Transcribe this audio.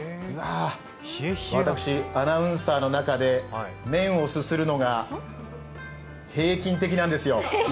私、アナウンサーの中で麺をすするのが平均的なんですよ。